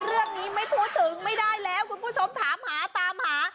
เรื่องนี้ไม่พูดถึงไม่ได้แล้วคุณผู้ชมถามหาตามหา